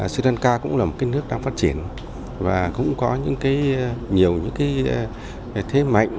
sri lanka cũng là một cái nước đang phát triển và cũng có những cái nhiều những cái thế mạnh